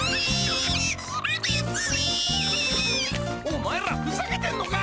お前らふざけてんのか！？